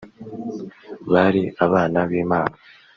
bari abana b’Imana